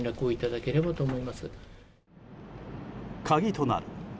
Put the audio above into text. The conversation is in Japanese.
鍵となる